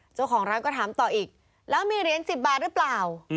เจ้าของร้านก็ถามต่ออีกแล้วมีเหรียญ๑๐บาทหรือเปล่า